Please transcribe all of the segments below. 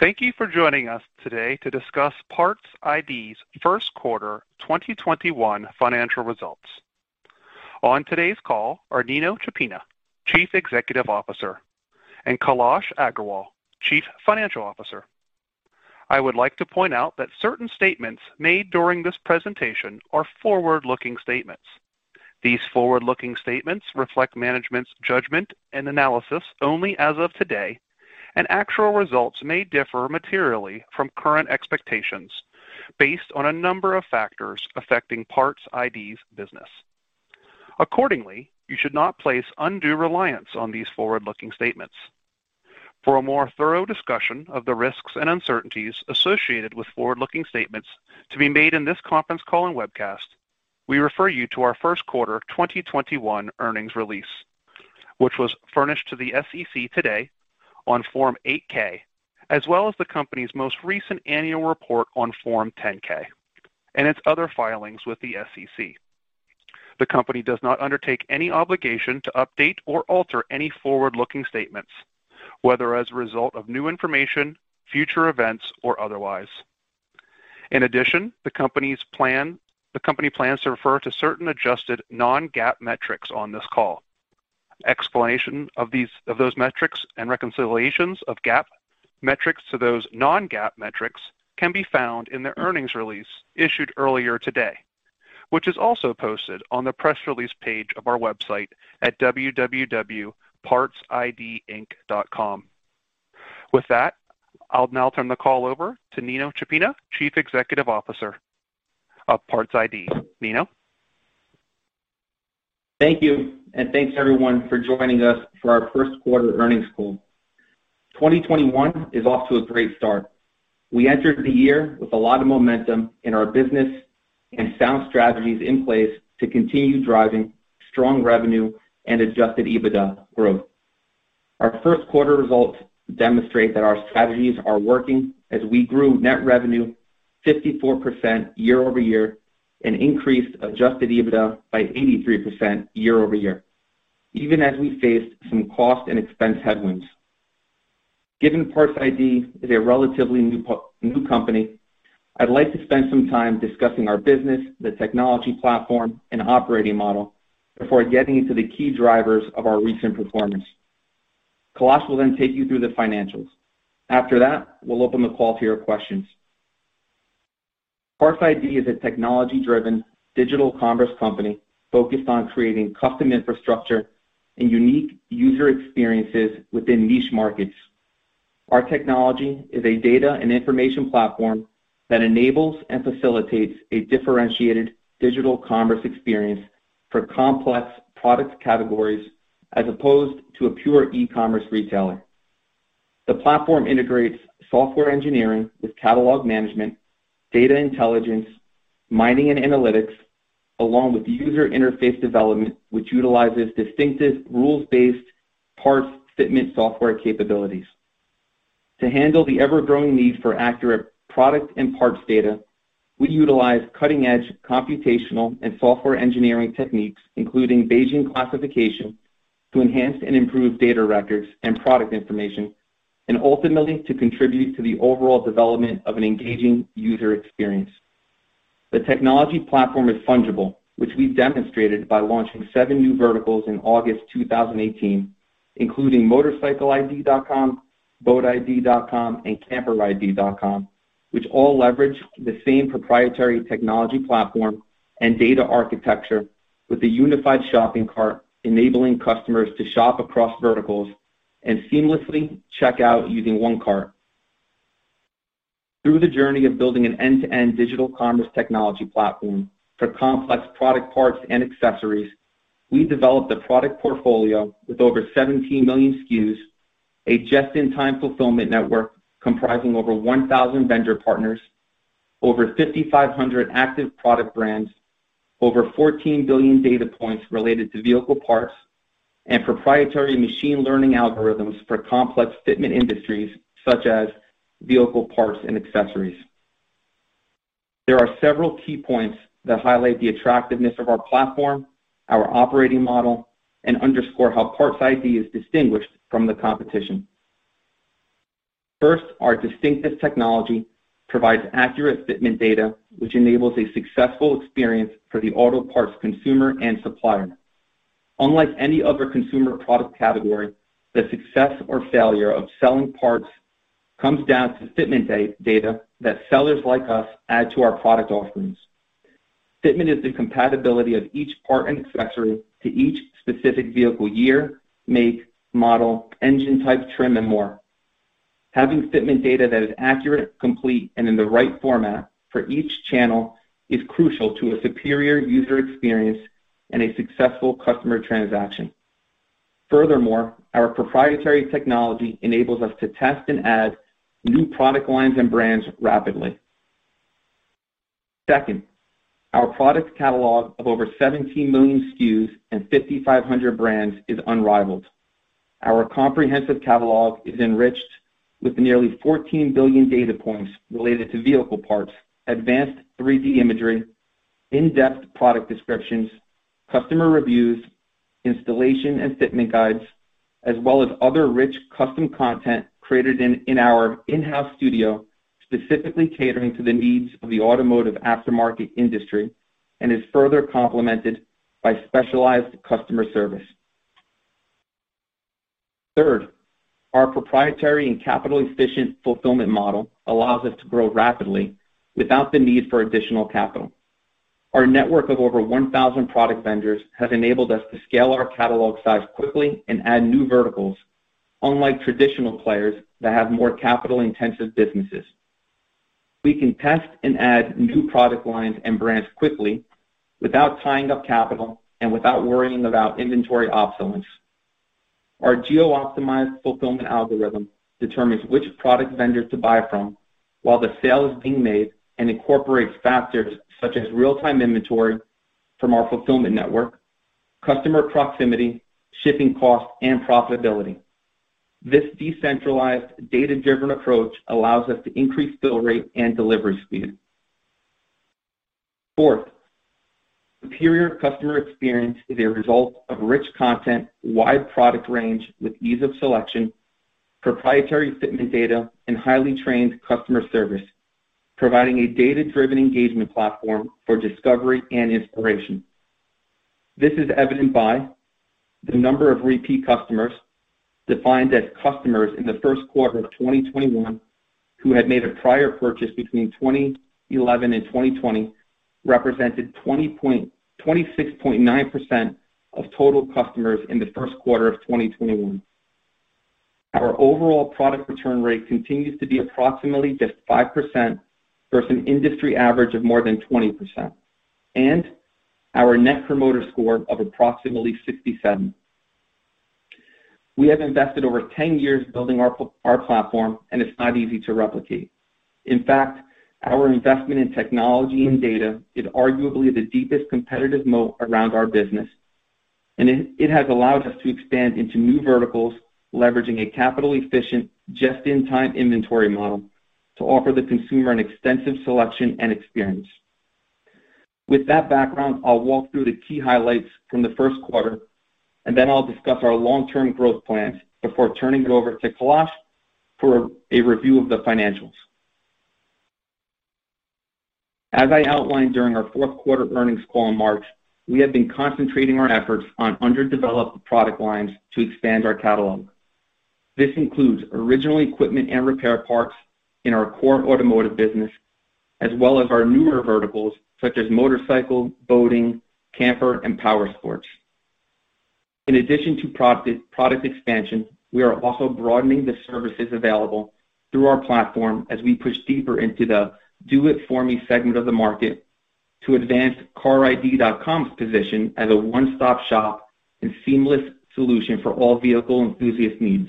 Thank you for joining us today to discuss PARTS iD's 1st quarter 2021 financial results. On today's call are Nino Ciappina, Chief Executive Officer, and Kailas Agrawal, Chief Financial Officer. I would like to point out that certain statements made during this presentation are forward-looking statements. These forward-looking statements reflect management's judgment and analysis only as of today, and actual results may differ materially from current expectations based on a number of factors affecting PARTS iD's business. Accordingly, you should not place undue reliance on these forward-looking statements. For a more thorough discussion of the risks and uncertainties associated with forward-looking statements to be made in this conference call and webcast, we refer you to our 1st quarter 2021 earnings release, which was furnished to the SEC today on Form 8-K, as well as the company's most recent annual report on Form 10-K, and its other filings with the SEC. The company does not undertake any obligation to update or alter any forward-looking statements, whether as a result of new information, future events, or otherwise. The company plans to refer to certain adjusted non-GAAP metrics on this call. Explanation of those metrics and reconciliations of GAAP metrics to those non-GAAP metrics can be found in the earnings release issued earlier today, which is also posted on the press release page of our website at www.partsidinc.com. I'll now turn the call over to Nino Ciappina, Chief Executive Officer of PARTS iD. Nino? Thank you, thanks, everyone, for joining us for our 1st quarter earnings call. 2021 is off to a great start. We entered the year with a lot of momentum in our business and sound strategies in place to continue driving strong revenue and adjusted EBITDA growth. Our 1st quarter results demonstrate that our strategies are working as we grew net revenue 54% year-over-year and increased adjusted EBITDA by 83% year-over-year, even as we faced some cost and expense headwinds. Given PARTS iD is a relatively new company, I'd like to spend some time discussing our business, the technology platform, and operating model before getting into the key drivers of our recent performance. Kailas will take you through the financials. After that, we'll open the call to your questions. PARTS iD is a technology-driven digital commerce company focused on creating custom infrastructure and unique user experiences within niche markets. Our technology is a data and information platform that enables and facilitates a differentiated digital commerce experience for complex product categories as opposed to a pure e-commerce retailer. The platform integrates software engineering with catalog management, data intelligence, mining and analytics, along with user interface development, which utilizes distinctive rules-based parts fitment software capabilities. To handle the ever-growing need for accurate product and parts data, we utilize cutting-edge computational and software engineering techniques, including Bayesian classification, to enhance and improve data records and product information, and ultimately, to contribute to the overall development of an engaging user experience. The technology platform is fungible, which we've demonstrated by launching seven new verticals in August 2018, including motorcycleid.com, boatid.com, and camperid.com, which all leverage the same proprietary technology platform and data architecture with a unified shopping cart, enabling customers to shop across verticals and seamlessly check out using one cart. Through the journey of building an end-to-end digital commerce technology platform for complex product parts and accessories, we developed a product portfolio with over 17 million SKUs, a just-in-time fulfillment network comprising over 1,000 vendor partners, over 5,500 active product brands, over 14 billion data points related to vehicle parts, and proprietary machine learning algorithms for complex fitment industries such as vehicle parts and accessories. There are several key points that highlight the attractiveness of our platform, our operating model, and underscore how PARTS iD is distinguished from the competition. 1st, our distinctive technology provides accurate fitment data, which enables a successful experience for the auto parts consumer and supplier. Unlike any other consumer product category, the success or failure of selling parts comes down to fitment data that sellers like us add to our product offerings. Fitment is the compatibility of each part and accessory to each specific vehicle year, make, model, engine type, trim, and more. Having fitment data that is accurate, complete, and in the right format for each channel is crucial to a superior user experience and a successful customer transaction. Furthermore, our proprietary technology enables us to test and add new product lines and brands rapidly. 2nd, our product catalog of over 17 million SKUs and 5,500 brands is unrivaled. Our comprehensive catalog is enriched with nearly 14 billion data points related to vehicle parts, advanced 3D imagery, in-depth product descriptions, customer reviews, installation and fitment guides, as well as other rich custom content created in our in-house studio, specifically catering to the needs of the automotive aftermarket industry, and is further complemented by specialized customer service. 3rd, our proprietary and capital-efficient fulfillment model allows us to grow rapidly without the need for additional capital. Our network of over 1,000 product vendors has enabled us to scale our catalog size quickly and add new verticals, unlike traditional players that have more capital-intensive businesses. We can test and add new product lines and brands quickly without tying up capital and without worrying about inventory obsolescence. Our geo-optimized fulfillment algorithm determines which product vendors to buy from while the sale is being made and incorporates factors such as real-time inventory from our fulfillment network, customer proximity, shipping cost, and profitability. This decentralized, data-driven approach allows us to increase fill rate and delivery speed. Fourth, superior customer experience is a result of rich content, wide product range with ease of selection, proprietary fitment data, and highly trained customer service, providing a data-driven engagement platform for discovery and inspiration. This is evident by the number of repeat customers defined as customers in the 1st Quarter of 2021 who had made a prior purchase between 2011 and 2020, represented 26.9% of total customers in the 1st Quarter of 2021. Our overall product return rate continues to be approximately just 5% versus an industry average of more than 20%, and our Net Promoter Score of approximately 67. We have invested over 10 years building our platform, and it's not easy to replicate. In fact, our investment in technology and data is arguably the deepest competitive moat around our business, and it has allowed us to expand into new verticals, leveraging a capital-efficient, just-in-time inventory model to offer the consumer an extensive selection and experience. With that background, I'll walk through the key highlights from the 1st quarter, and then I'll discuss our long-term growth plans before turning it over to Kailas for a review of the financials. As I outlined during our fourth quarter earnings call in March, we have been concentrating our efforts on underdeveloped product lines to expand our catalog. This includes original equipment and repair parts in our core automotive business, as well as our newer verticals such as motorcycle, boating, camper, and powersports. In addition to product expansion, we are also broadening the services available through our platform as we push deeper into the Do-It-For-Me segment of the market to advance carid.com's position as a one-stop shop and seamless solution for all vehicle enthusiast needs.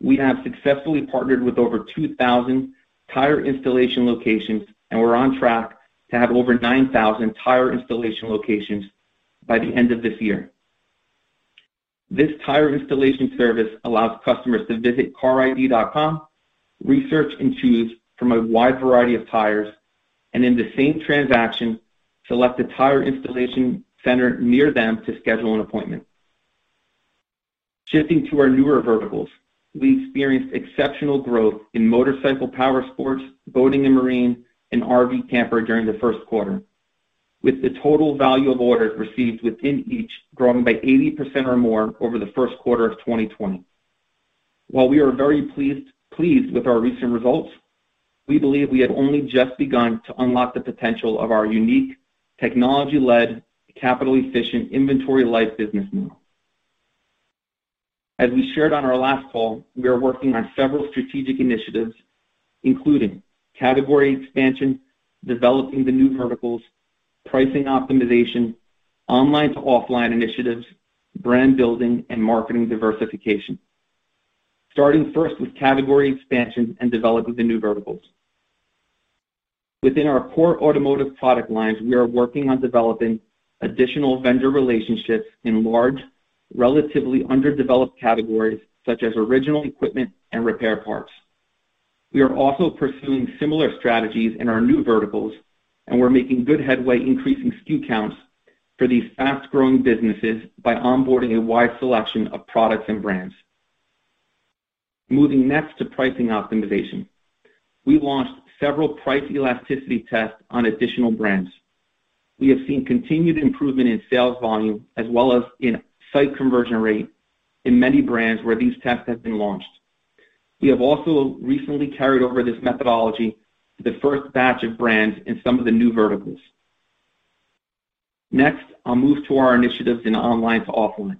We have successfully partnered with over 2,000 tire installation locations, and we're on track to have over 9,000 tire installation locations by the end of this year. This tire installation service allows customers to visit carid.com, research and choose from a wide variety of tires, and in the same transaction, select a tire installation center near them to schedule an appointment. Shifting to our newer verticals, we experienced exceptional growth in motorcycle powersports, boating and marine, and RV camper during the 1st quarter. With the total value of orders received within each growing by 80% or more over the 1st quarter of 2020. While we are very pleased with our recent results, we believe we have only just begun to unlock the potential of our unique technology-led, capital-efficient, inventory-light business model. As we shared on our last call, we are working on several strategic initiatives, including category expansion, developing the new verticals, pricing optimization, online-to-offline initiatives, brand building, and marketing diversification. Starting 1st with category expansion and developing the new verticals. Within our core automotive product lines, we are working on developing additional vendor relationships in large, relatively underdeveloped categories such as original equipment and repair parts. We are also pursuing similar strategies in our new verticals, and we're making good headway increasing SKU counts for these fast-growing businesses by onboarding a wide selection of products and brands. Moving next to pricing optimization. We launched several price elasticity tests on additional brands. We have seen continued improvement in sales volume as well as in site conversion rate in many brands where these tests have been launched. We have also recently carried over this methodology to the 1st batch of brands in some of the new verticals. Next, I'll move to our initiatives in online to offline.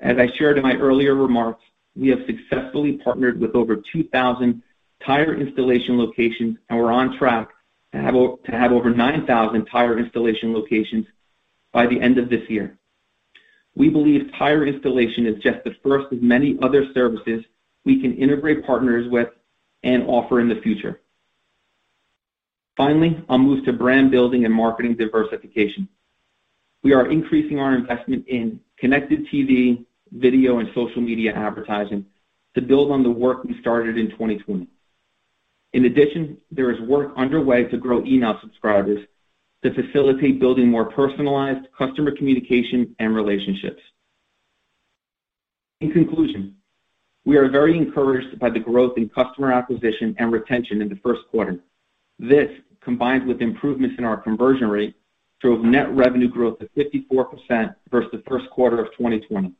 As I shared in my earlier remarks, we have successfully partnered with over 2,000 tire installation locations and we're on track to have over 9,000 tire installation locations by the end of this year. We believe tire installation is just the 1st of many other services we can integrate partners with and offer in the future. Finally, I'll move to brand building and marketing diversification. We are increasing our investment in Connected TV, video, and social media advertising to build on the work we started in 2020. In addition, there is work underway to grow email subscribers to facilitate building more personalized customer communication and relationships. In conclusion, we are very encouraged by the growth in customer acquisition and retention in the 1st quarter. This, combined with improvements in our conversion rate, drove net revenue growth of 54% versus the 1st quarter of 2020.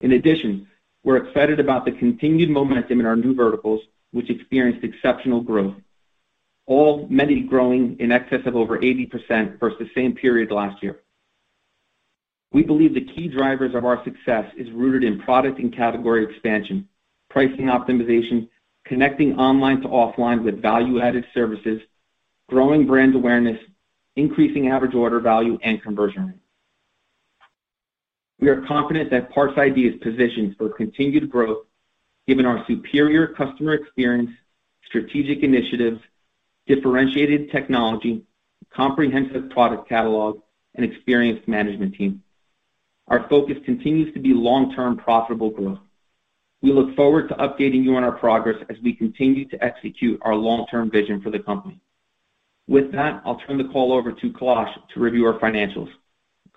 In addition, we're excited about the continued momentum in our new verticals, which experienced exceptional growth, all many growing in excess of over 80% versus same period last year. We believe the key drivers of our success is rooted in product and category expansion, pricing optimization, connecting online to offline with value-added services, growing brands awareness, increasing average order value, and conversion rate. We are confident that PARTS iD is positioned for continued growth given our superior customer experience, strategic initiatives, differentiated technology, comprehensive product catalog, and experienced management team. Our focus continues to be long-term profitable growth. We look forward to updating you on our progress as we continue to execute our long-term vision for the company. With that, I'll turn the call over to Kailas to review our financials.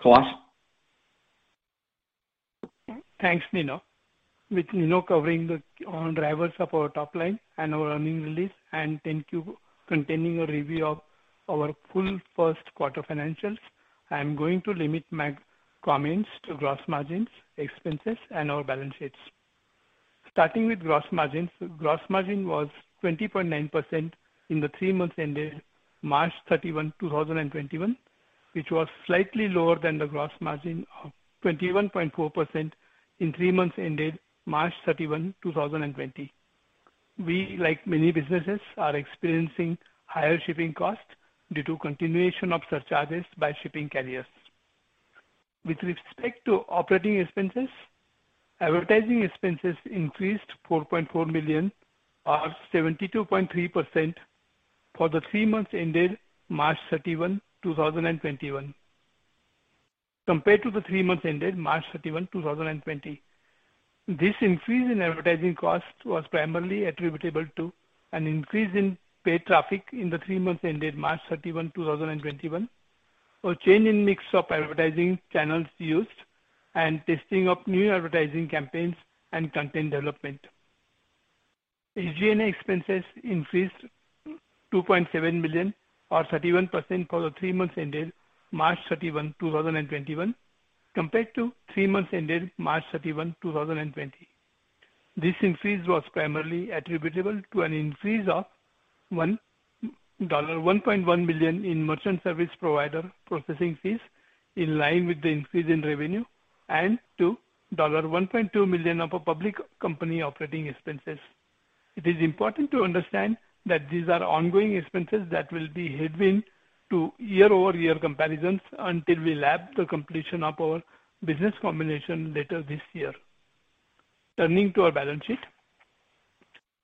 Kailas? Thanks, Nino. With Nino covering the drivers of our top line and our earnings release, and 10Q, continuing a review of our full 1st quarter financials, I'm going to limit my comments to gross margins, expenses, and our balance sheets. Starting with gross margins, gross margin was 20.9% in the three months ended March 31, 2021, which was slightly lower than the gross margin of 21.4% in three months ended March 31, 2020. We, like many businesses, are experiencing higher shipping costs due to continuation of surcharges by shipping carriers. With respect to operating expenses, advertising expenses increased to $4.4 million, or 72.3%, for the three months ended March 31, 2021, compared to the three months ended March 31, 2020. This increase in advertising cost was primarily attributable to an increase in paid traffic in the three months ended March 31, 2021, a change in mix of advertising channels used, and testing of new advertising campaigns and content development. SG&A expenses increased $2.7 million, or 31%, for the three months ended March 31, 2021, compared to three months ended March 31, 2020. This increase was primarily attributable to an increase of $1.1 million in merchant service provider processing fees, in line with the increase in revenue, and to $1.2 million of a public company operating expenses. It is important to understand that these are ongoing expenses that will be headwind to year-over-year comparisons until we lap the completion of our business combination later this year. Turning to our balance sheet.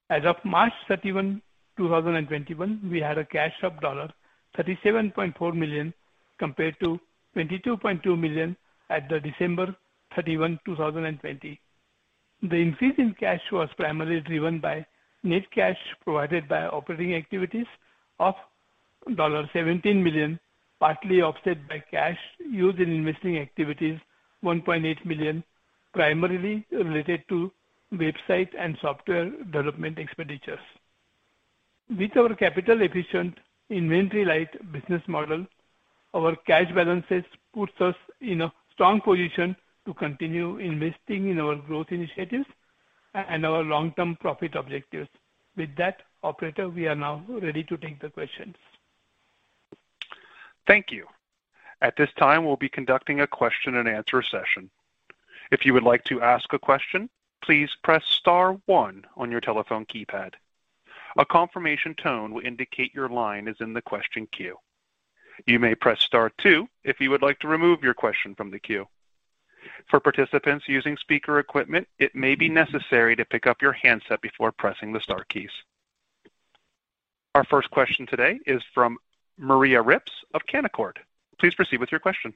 As of March 31, 2021, we had a cash of $37.4 million, compared to $22.2 million at the December 31, 2020. The increase in cash was primarily driven by net cash provided by operating activities of $17 million, partly offset by cash used in investing activities, $1.8 million, primarily related to website and software development expenditures. With our capital efficient, inventory light business model, our cash balances puts us in a strong position to continue investing in our growth initiatives and our long-term profit objectives. With that, operator, we are now ready to take the questions. Thank you. At this time, we'll be conducting a question-and-answer session. If you would like to ask a question, please press star one on your telephone keypad. A confirmation tone will indicate your line is in the question queue. You may press star two if you would like to remove your question from the queue. For participants using speaker equipment, it may be necessary to pick up your handset before pressing the star keys. Our 1st question today is from Maria Ripps of Canaccord. Please proceed with your question.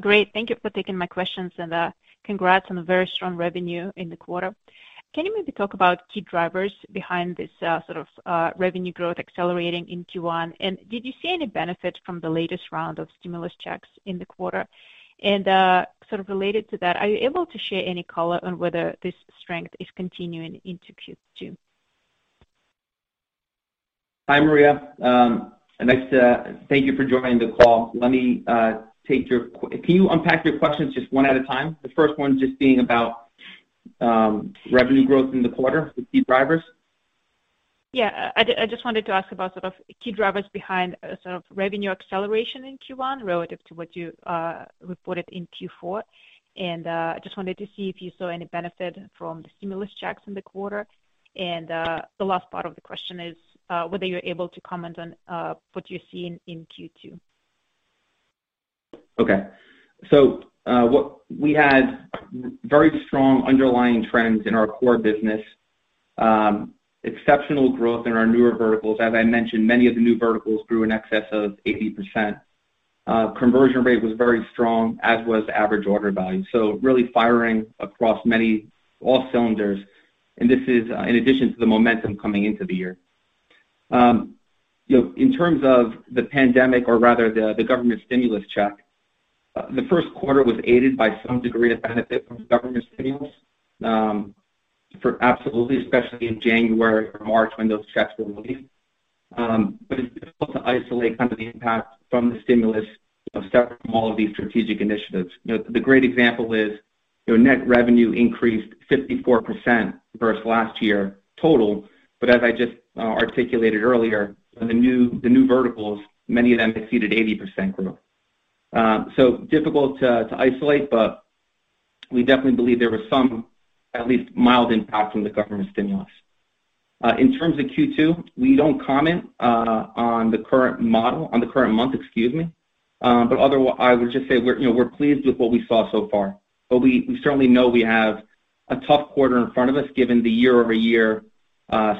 Great. Thank you for taking my questions, and congrats on the very strong revenue in the quarter. Can you maybe talk about key drivers behind this sort of revenue growth accelerating in Q1, and did you see any benefit from the latest round of stimulus checks in the quarter? Sort of related to that, are you able to share any color on whether this strength is continuing into Q2? Hi, Maria. Thank you for joining the call. Can you unpack your questions just one at a time? The 1st one just being about revenue growth in the quarter, the key drivers? Yeah. I just wanted to ask about sort of key drivers behind sort of revenue acceleration in Q1 relative to what you reported in Q4. Just wanted to see if you saw any benefit from the stimulus checks in the quarter. The last part of the question is whether you're able to comment on what you're seeing in Q2. Okay. We had very strong underlying trends in our core business, exceptional growth in our newer verticals. As I mentioned, many of the new verticals grew in excess of 80%. Conversion rate was very strong, as was average order value. Really firing across all cylinders. This is in addition to the momentum coming into the year. In terms of the pandemic, or rather the government stimulus check, the 1st quarter was aided by some degree of benefit from government stimulus. Absolutely, especially in January or March when those checks were released. It's difficult to isolate the impact from the stimulus of several of these strategic initiatives. The great example is net revenue increased 54% versus last year total, but as I just articulated earlier, the new verticals, many of them exceeded 80% growth. Difficult to isolate, we definitely believe there was some, at least mild impact from the government stimulus. In terms of Q2, we don't comment on the current month. Otherwise, I would just say we're pleased with what we saw so far. We certainly know we have a tough quarter in front of us given the year-over-year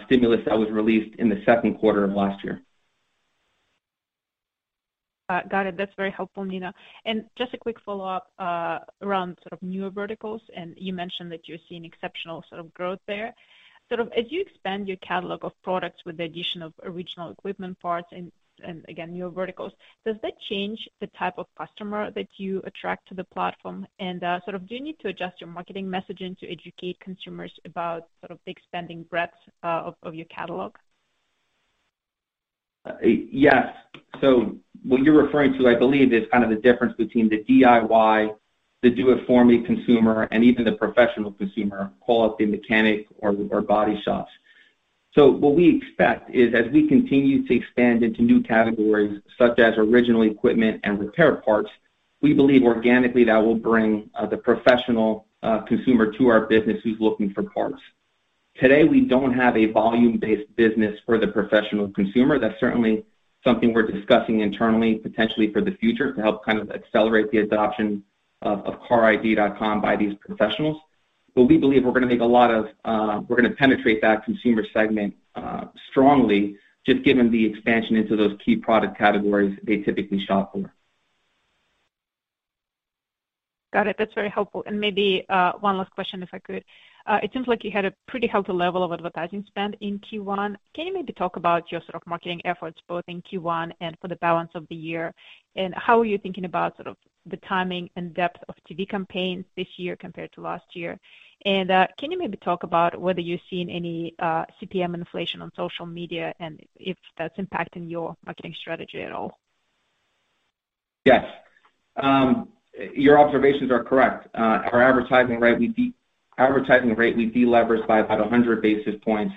stimulus that was released in the 2nd quarter of last year. Got it. That's very helpful, Nino. Just a quick follow-up around newer verticals, and you mentioned that you're seeing exceptional growth there. As you expand your catalog of products with the addition of original equipment parts and, again, newer verticals, does that change the type of customer that you attract to the platform? Do you need to adjust your marketing messaging to educate consumers about the expanding breadth of your catalog? Yes. What you're referring to, I believe, is kind of the difference between the DIY, the Do-It-For-Me consumer, and even the professional consumer. Call it the mechanic or body shops. What we expect is as we continue to expand into new categories such as original equipment and repair parts, we believe organically that will bring the professional consumer to our business who's looking for parts. Today, we don't have a volume-based business for the professional consumer. That's certainly something we're discussing internally, potentially for the future, to help accelerate the adoption of carid.com by these professionals. We believe we're going to penetrate that consumer segment strongly just given the expansion into those key product categories they typically shop for. Got it. That's very helpful. Maybe one last question, if I could. It seems like you had a pretty healthy level of advertising spend in Q1. Can you maybe talk about your marketing efforts both in Q1 and for the balance of the year? How are you thinking about the timing and depth of TV campaigns this year compared to last year? Can you maybe talk about whether you're seeing any CPM inflation on social media and if that's impacting your marketing strategy at all? Yes. Your observations are correct. Our advertising rate, we de-leveraged by about 100 basis points.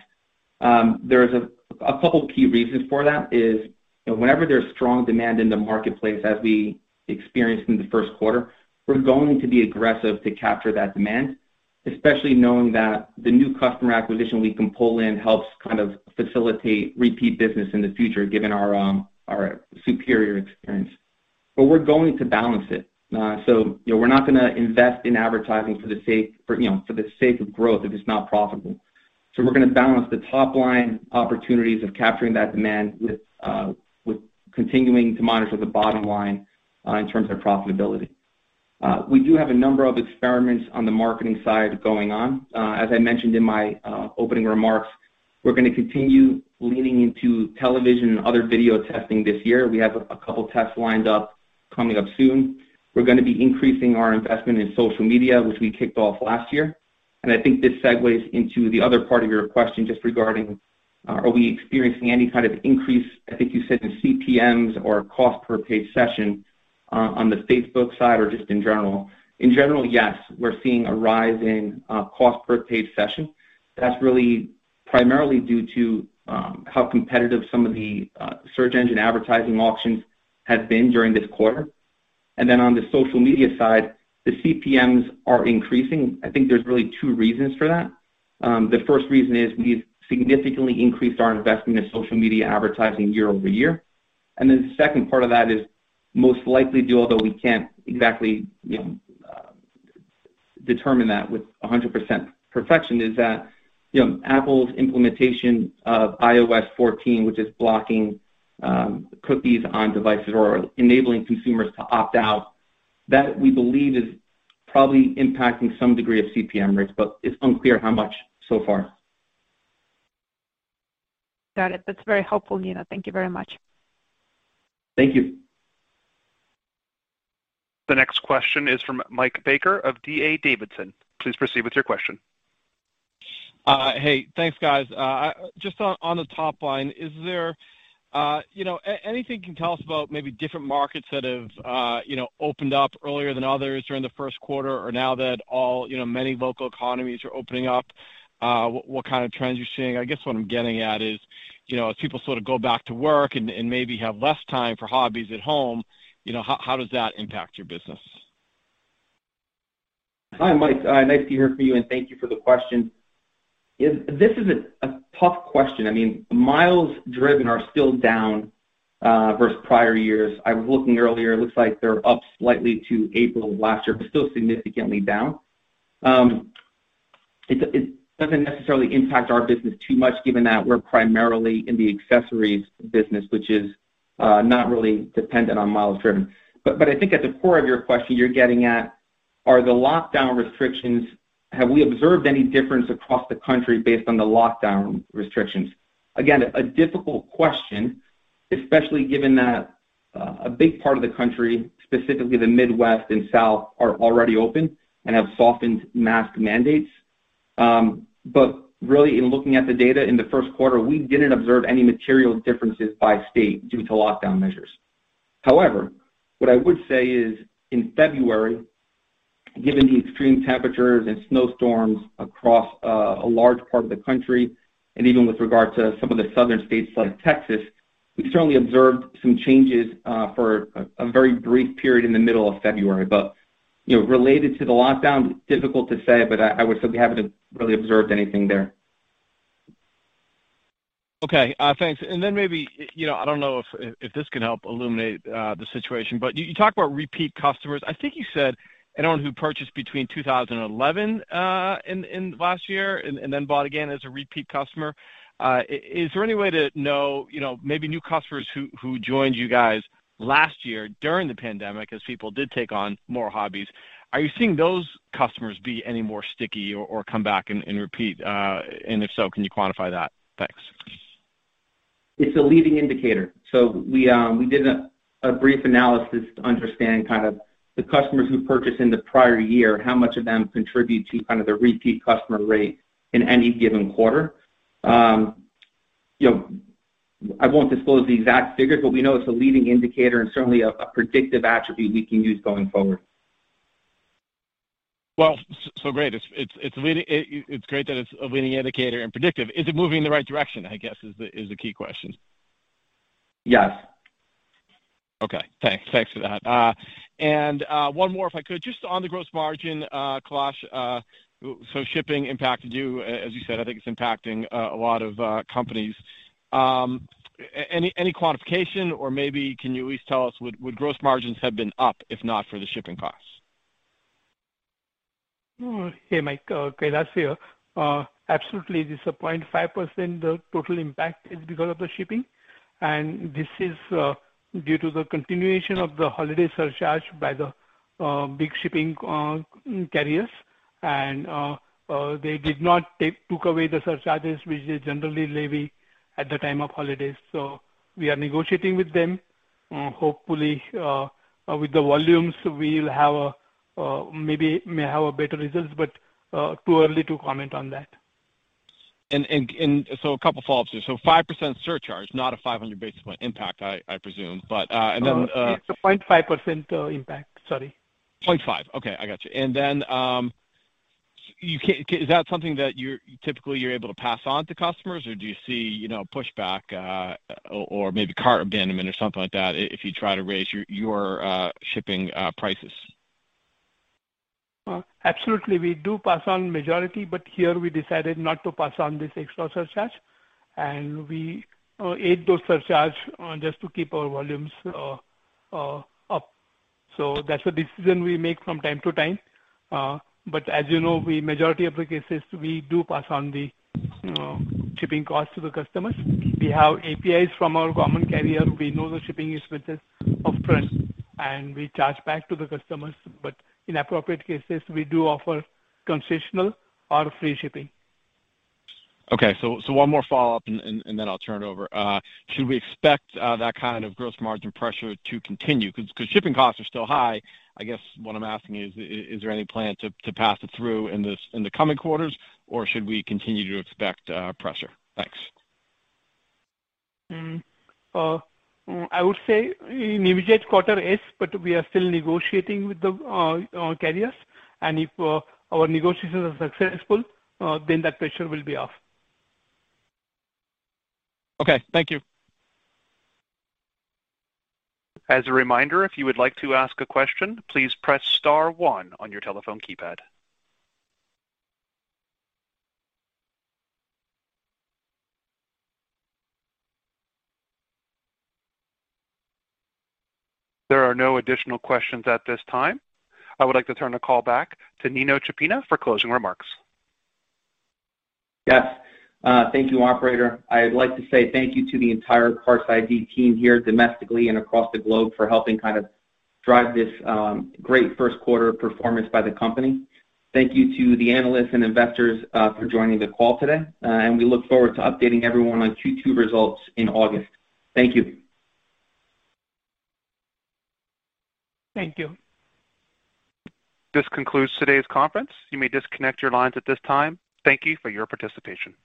There is a couple key reasons for that is whenever there's strong demand in the marketplace as we experienced in the 1st quarter, we're going to be aggressive to capture that demand, especially knowing that the new customer acquisition we can pull in helps facilitate repeat business in the future given our superior experience. We're going to balance it. We're not going to invest in advertising for the sake of growth if it's not profitable. We're going to balance the top-line opportunities of capturing that demand with continuing to monitor the bottom line in terms of profitability. We do have a number of experiments on the marketing side going on. As I mentioned in my opening remarks, we're going to continue leaning into television and other video testing this year. We have a couple tests lined up coming up soon. We're going to be increasing our investment in social media, which we kicked off last year. I think this segues into the other part of your question just regarding are we experiencing any kind of increase, I think you said in CPMs or cost per paid session on the Facebook side or just in general. In general, yes. We're seeing a rise in cost per paid session. That's really primarily due to how competitive some of the search engine advertising auctions have been during this quarter. On the social media side, the CPMs are increasing. I think there's really two reasons for that. The 1st reason is we've significantly increased our investment in social media advertising year-over-year. The 2nd part of that is most likely due, although we can't exactly determine that with 100% perfection, is that Apple's implementation of iOS 14, which is blocking cookies on devices or enabling consumers to opt out. That, we believe, is probably impacting some degree of CPM rates, but it's unclear how much so far. Got it. That's very helpful, Nino. Thank you very much. Thank you. The next question is from Mike Baker of D.A. Davidson. Please proceed with your question. Hey, thanks guys. Just on the top line, is there anything you can tell us about maybe different markets that have opened up earlier than others during the 1st quarter or now that many local economies are opening up? What kind of trends you're seeing? I guess what I'm getting at is as people go back to work and maybe have less time for hobbies at home, how does that impact your business? Hi, Mike. Nice to hear from you, and thank you for the question. This is a tough question. Miles driven are still down versus prior years. I was looking earlier, it looks like they're up slightly to April of last year, but still significantly down. It doesn't necessarily impact our business too much given that we're primarily in the accessories business, which is not really dependent on miles driven. I think at the core of your question, you're getting at, are the lockdown restrictions, have we observed any difference across the country based on the lockdown restrictions? Again, a difficult question, especially given that a big part of the country, specifically the Midwest and South, are already open and have softened mask mandates. Really in looking at the data in the 1st quarter, we didn't observe any material differences by state due to lockdown measures. What I would say is, in February, given the extreme temperatures and snowstorms across a large part of the country, and even with regard to some of the southern states like Texas, we certainly observed some changes for a very brief period in the middle of February. Related to the lockdown, difficult to say, but I would say we haven't really observed anything there. Okay. Thanks. Maybe, I don't know if this can help illuminate the situation, but you talk about repeat customers. I think you said anyone who purchased between 2011 and last year and then bought again is a repeat customer. Is there any way to know maybe new customers who joined you guys last year during the pandemic, as people did take on more hobbies, are you seeing those customers be any more sticky or come back and repeat? If so, can you quantify that? Thanks. It's a leading indicator. We did a brief analysis to understand the customers who purchased in the prior year, how much of them contribute to the repeat customer rate in any given quarter. I won't disclose the exact figures, but we know it's a leading indicator and certainly a predictive attribute we can use going forward. Well, great. It's great that it's a leading indicator and predictive. Is it moving in the right direction, I guess is the key question? Yes. Okay. Thanks for that. One more, if I could, just on the gross margin, Kailas. Shipping impacted you, as you said. I think it's impacting a lot of companies. Any quantification or maybe can you at least tell us would gross margins have been up if not for the shipping costs? Hey, Mike. Kailas here. Absolutely, this 0.5% total impact is because of the shipping, and this is due to the continuation of the holiday surcharge by the big shipping carriers. They did not take away the surcharges, which they generally levy at the time of holidays. We are negotiating with them. Hopefully, with the volumes, we may have better results, but too early to comment on that. A couple follow-ups there. 5% surcharge, not a 500 basis point impact, I presume. No, it's a 0.5% impact, sorry. Okay, I got you. Is that something that typically you're able to pass on to customers or do you see pushback or maybe cart abandonment or something like that if you try to raise your shipping prices? We do pass on majority, here we decided not to pass on this extra surcharge, and we ate those surcharge just to keep our volumes up. That's a decision we make from time to time. As you know, majority of cases, we do pass on the shipping costs to the customers. We have APIs from our common carrier. We know the shipping is with us upfront, and we charge back to the customers. In appropriate cases, we do offer concessional or free shipping. Okay, one more follow-up, and then I'll turn it over. Should we expect that kind of gross margin pressure to continue? Shipping costs are still high. I guess what I'm asking is there any plan to pass it through in the coming quarters, or should we continue to expect pressure? Thanks. I would say immediate quarter, yes, but we are still negotiating with the carriers, and if our negotiations are successful, then that pressure will be off. Okay. Thank you. As a reminder, if you would like to ask a question, please press star one on your telephone keypad. There are no additional questions at this time. I would like to turn the call back to Nino Ciappina for closing remarks. Yes. Thank you, operator. I'd like to say thank you to the entire PARTS iD team here domestically and across the globe for helping drive this great 1st quarter performance by the company. Thank you to the analysts and investors for joining the call today, and we look forward to updating everyone on Q2 results in August. Thank you. Thank you. This concludes today's conference. You may disconnect your lines at this time. Thank you for your participation.